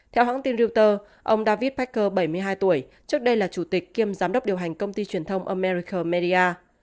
theo hãng tin reuters ông david pesker bảy mươi hai tuổi trước đây là chủ tịch kiêm giám đốc điều hành công ty truyền thông americal media